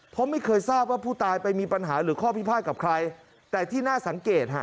เพราะไม่เคยทราบว่าผู้ตายไปมีปัญหาหรือข้อพิพาทกับใครแต่ที่น่าสังเกตฮะ